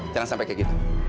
jangan sampai kayak gitu